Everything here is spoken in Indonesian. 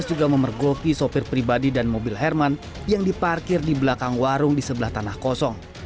juga memergoki sopir pribadi dan mobil herman yang diparkir di belakang warung di sebelah tanah kosong